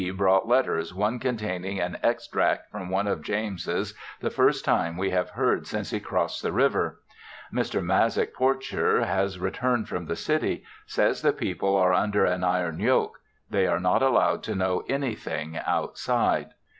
brought letters, one containing an extract from one of James's, the first time we have heard since he crossed the river. Mr. Mazyck Porcher has returned from the city, says the people are under an iron yoke; they are not allowed to know anything outside.